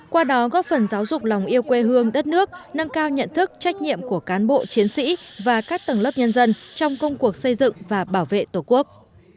qua đó góp phần giáo dục lòng yêu quê hương đất nước nâng cao nhận thức trách nhiệm của cán bộ chiến sĩ và các tầng lớp nhân dân trong công cuộc xây dựng và bảo vệ tổ quốc